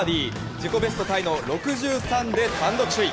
自己ベストタイの６３で単独首位。